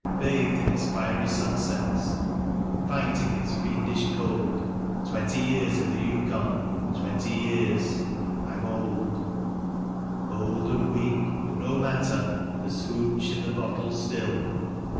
Bathed in its fiery sunsets, fighting its fiendish cold, Twenty years in the Yukon ... twenty years — and I'm old. " Old and weak, but no matter, there's ' hooch ' in the bottle still.